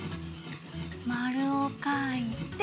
まるをかいて。